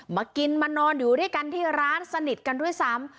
มากินมานอนอยู่ด้วยกันที่ร้านสนิทกันด้วยซ้ำ